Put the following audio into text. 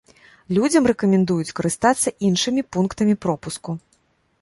Людзям рэкамендуюць карыстацца іншымі пунктамі пропуску.